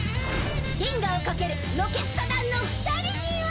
銀河を駆けるロケット団の２人には。